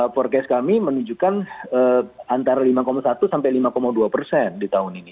forecast kami menunjukkan antara lima satu sampai lima dua persen di tahun ini